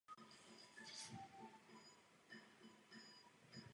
Po ukončení vojenské služby se rozhodl pokračovat ve studiu na elektrotechnické fakultě.